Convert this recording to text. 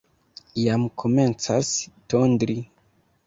Jam komencas tondri.